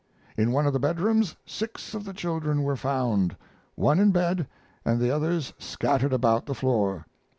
In one of the bedrooms six of the children were found, one in bed and the others scattered about the floor.